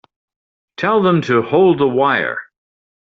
Tell them to hold the wire.